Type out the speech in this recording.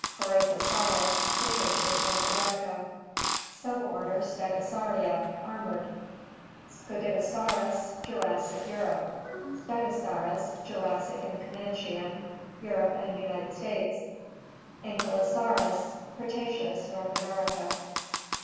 Corythosaurus — Cretaceous; North America. Suborder Stegosauria — armored * Scdidosaurus — Jurassic; Europe. * Stegosaurus — Jurassic and Comanchian; Europe and United States. * Ankylosaurus — Cretaceous; North America.